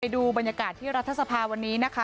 ดูบรรยากาศที่รัฐสภาวันนี้นะคะ